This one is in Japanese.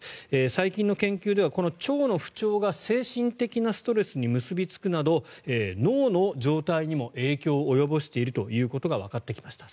最近の研究ではこの腸の不調が精神的なストレスに結びつくなど脳の状態にも影響を及ぼしているということがわかってきました。